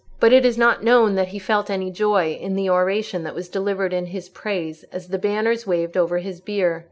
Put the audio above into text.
But it is not known that he felt any joy in the oration that was delivered in his praise, as the banners waved over his bier.